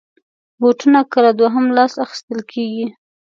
بوټونه کله دوهم لاس اخېستل کېږي.